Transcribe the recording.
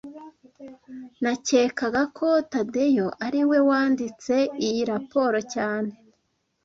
Nakekaga ko Tadeyo ari we wanditse iyi raporo cyane